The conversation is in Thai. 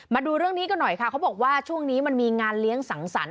มาดูเรื่องนี้กันหน่อยค่ะเขาบอกว่าช่วงนี้มันมีงานเลี้ยงสังสรรค